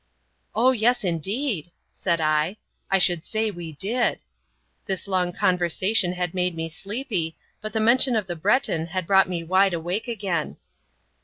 "Oh, yes, indeed," said I; "I should say we did." This long conversation had made me sleepy, but the mention of the Breton had brought me wide awake again.